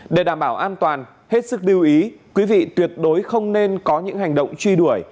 để đảm bảo an toàn hết sức lưu ý quý vị tuyệt đối không nên có những hành động truy đuổi